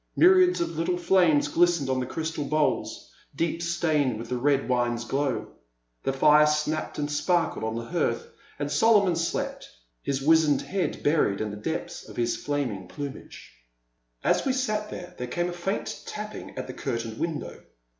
Myriads of little flames glistened on the crystal bowls, deep stained with the red wine's glow. The fire snapped and spar kled on the hearth, and Solomon slept, his wiz ened head buried in the depths of his flaming plumage. The Silent Land. 123 And as we sat there, there came a faint tapping at the curtained window.